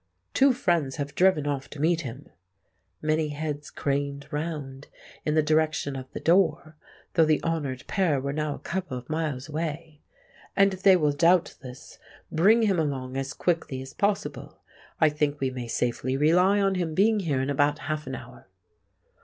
"Two friends have driven off to meet him"—many heads craned round in the direction of the door, though the honoured pair were now a couple of miles away—"and they will doubtless bring him along as quickly as possible. I think we may safely rely on him being here in about half an hour."